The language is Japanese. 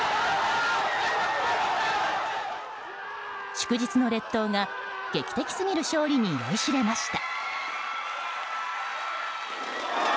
祝日の列島が劇的すぎる勝利に酔いしれました。